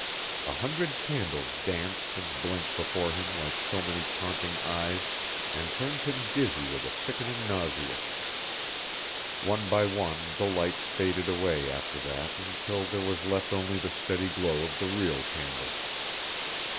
A hundred candles danced and blinked before him like so many taunting eyes and turned him dizzy with a sickening nausea. One by one the lights faded away after that until there was left only the steady glow of the real candle.